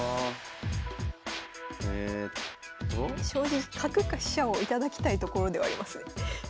将棋角か飛車を頂きたいところではありますね。